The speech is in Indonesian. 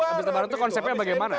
abis lebaran itu konsepnya bagaimana